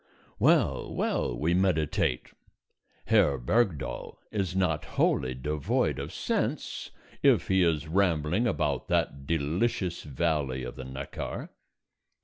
Well, well, we meditate, Herr Bergdoll is not wholly devoid of sense, if he is rambling about that delicious valley of the Neckar.